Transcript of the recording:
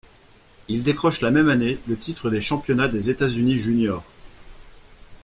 Il décroche la même année le titre des Championnats des États-Unis juniors.